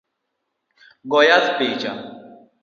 Go yath picha